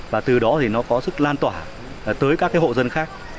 và từ đó thì nó có sức lan tỏa tới các hộ dân khác